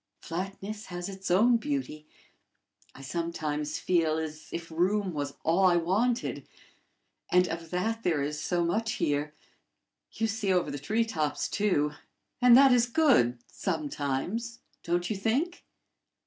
"Flatness has its own beauty. I sometimes feel as if room was all I wanted; and of that there is so much there! You see over the tree tops, too, and that is good sometimes don't you think?"